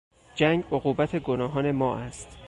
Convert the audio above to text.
جنگ عقوبت گناهان ما است.